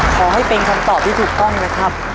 ขอให้เป็นคำตอบที่ถูกต้องนะครับ